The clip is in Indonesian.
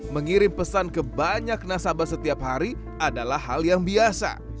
mengirim pesan ke banyak nasabah setiap hari adalah hal yang biasa